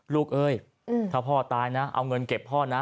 เอ้ยถ้าพ่อตายนะเอาเงินเก็บพ่อนะ